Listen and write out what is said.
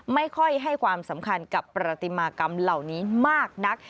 ไม่ค่อยให้ความสำคัญกับประติมากรรมเหล่านี้มากนัก